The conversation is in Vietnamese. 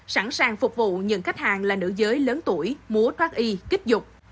sẵn sàng phục vụ những khách hàng là nữ giới lớn tuổi múa thoát y kích dục